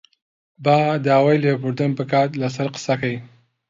با داوای لێبوردن بکات لەسەر قسەکەی